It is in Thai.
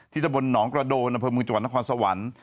ที่ทะบลหนองกระโดนบริเวณจังหวัดนครสวรรค์